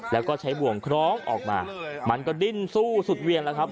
แล้วก็ใช้บ่วงคล้องออกมามันก็ดิ้นสู้สุดเวียนแล้วครับ